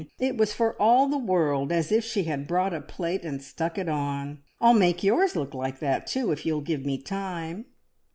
It was for all the world as if she had bought a plait and stuck it on. I'll make yours look like that too, if you'll give me time!"